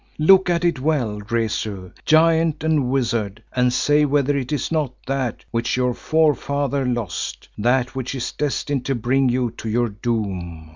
Look at it well, Rezu, Giant and Wizard, and say whether it is not that which your forefather lost, that which is destined to bring you to your doom?"